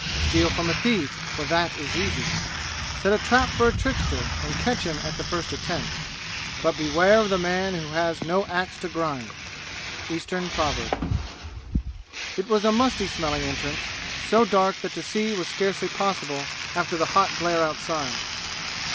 Steal from a thief, for that is easy. Set a trap for a trickster, and catch him at the first attempt. But beware of the man who has no axe to grind. Eastern Proverb It was a musty smelling entrance, so dark that to see was scarcely possible after the hot glare outside.